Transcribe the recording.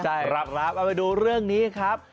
ใช่ครับเอาไปดูเรื่องนี้ครับ